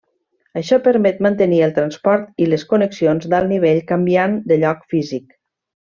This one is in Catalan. Això permet mantenir el transport i les connexions d'alt nivell canviant de lloc físic.